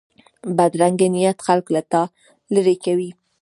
بدرنګه نیت خلک له تا لرې کوي